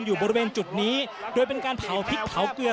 อยู่บริเวณจุดนี้โดยเป็นการเผาพริกเผาเกลือ